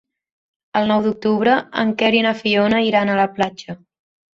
El nou d'octubre en Quer i na Fiona iran a la platja.